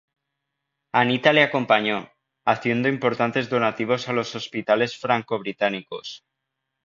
Anita le acompañó, haciendo importantes donativos a los hospitales franco-británicos.